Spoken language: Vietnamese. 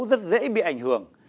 rất dễ bị ảnh hưởng